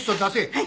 はい。